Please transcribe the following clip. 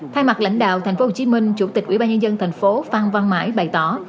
thay mặt lãnh đạo thành phố hồ chí minh chủ tịch ủy ban nhân dân thành phố phan văn mãi bày tỏ